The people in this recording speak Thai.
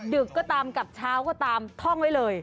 ึกก็ตามกลับเช้าก็ตามท่องไว้เลย